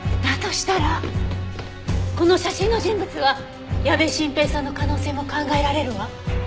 だとしたらこの写真の人物は矢部晋平さんの可能性も考えられるわ。